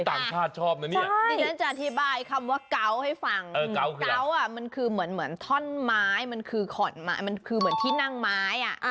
ต่างชาติชอบนะเนี่ยนี่ฉันจะอธิบายคำว่าเกาะให้ฟังเกาะมันคือเหมือนท่อนไม้มันคือที่นั่งไม้